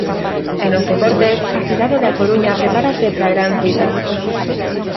E nos deportes, a cidade da Coruña prepárase para a gran cita.